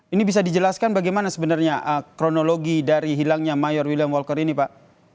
ini bisa dijelaskan bagaimana sebenarnya kronologi dari hilangnya mayor william walker ini pak